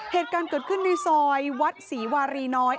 เหตุการณ์เกิดขึ้นในซอยวัดศรีวารีน้อย